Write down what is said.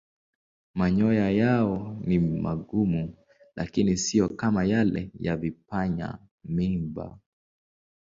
Manyoya yao ni magumu lakini siyo kama yale ya vipanya-miiba.